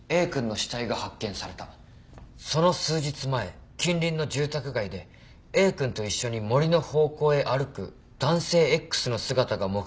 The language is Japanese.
その数日前近隣の住宅街でＡ君と一緒に森の方向へ歩く男性Ｘの姿が目撃されていた。